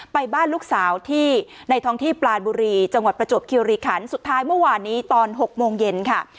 ไปบ้านลูกสาวที่ในท้องที่ปลานบุรีจังหวัดประจวบคิวรีคันสุดท้ายเมื่อวานนี้ตอน๖โมงเย็นค่ะ